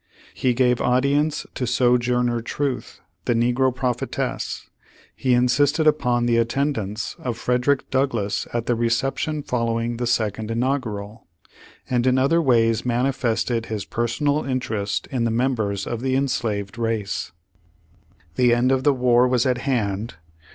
He gave audience to Sojourner Truth, the negro prophetess; he insisted upon the attendance of Frederick Doug lass at the reception following the second inaug ural, and in other ways manifested his personal interest in the members of the enslaved race. The end of the war was at hand.